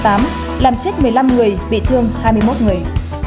làm chết một mươi năm người bị thương hai mươi một người